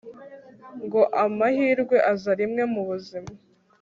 ngo amahirwe aza rimwe mu buzima